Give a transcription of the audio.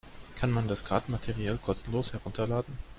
Kann man das Kartenmaterial kostenlos herunterladen?